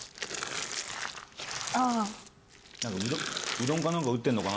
うどんか何か打ってんのかな？